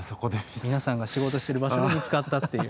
皆さんが仕事してる場所で見つかったっていう。